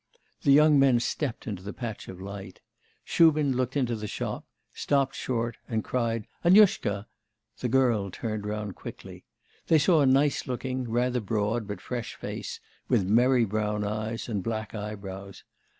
The young men stepped into the patch of light; Shubin looked into the shop, stopped short, and cried 'Annushka!' The girl turned round quickly. They saw a nice looking, rather broad but fresh face, with merry brown eyes and black eyebrows.